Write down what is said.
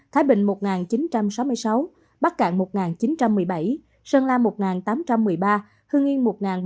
thái bình một chín trăm sáu mươi sáu bắc cạn một chín trăm một mươi bảy sơn la một tám trăm một mươi ba hương yên một bảy trăm tám mươi bốn